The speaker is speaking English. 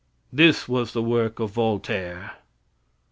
This was the work of Voltaire.